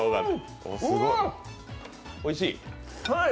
おいしい？